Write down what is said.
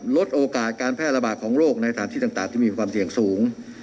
ลดโอกาสการแพร่ระบาดของโรคในสถานที่ต่างที่มีความเสี่ยงสูง